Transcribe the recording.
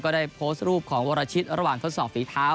ได้โพสต์รูปของวรชิตระหว่างทดสอบฝีเท้า